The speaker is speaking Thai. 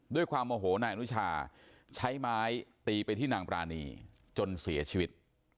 ด้วยความโมโหนายอนุชาใช้ไม้ตีไปที่นางปรานีจนเสียชีวิต